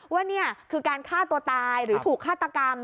ว่านี่คือการฆ่าตัวตายหรือถูกฆาตกรรม